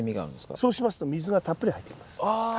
そうしますと水がたっぷり入ってきます。